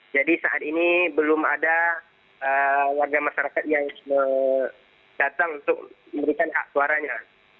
saat ini belum ada warga masyarakat yang datang untuk memberikan hak suaranya